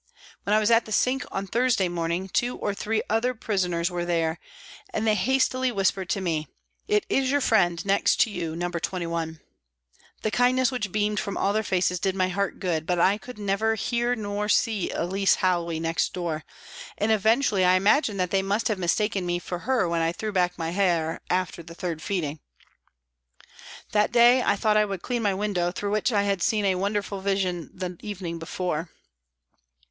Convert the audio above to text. When I was at the sink on Thursday morning, two or three other prisoners were there, and they hastily whispered to me, " It is your friend next to you, No. 21." The kindness which beamed from all their faces did my heart good, but I could never hear or see Elsie Howey next door, and eventually I imagined that they must have mistaken me for her when I threw back my hair after the third feeding. That day I thought I would clean my window, through which I had seen such a wonderful vision the evening before.